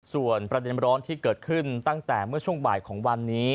ส่วนประเด็นร้อนที่เกิดขึ้นตั้งแต่เมื่อช่วงบ่ายของวันนี้